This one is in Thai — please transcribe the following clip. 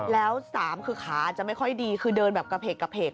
แล้วสามคือขาอาจจะไม่ค่อยดีคือเดินแบบกระเพก